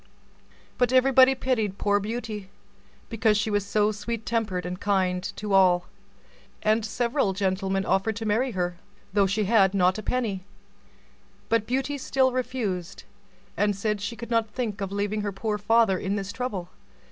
But everybody pitied poor Beauty, because she was so sweet tempered and kind to all, and several gentlemen offered to marry her, though she had not a penny; but Beauty still refused, and said she could not think of leaving her poor father in this trouble.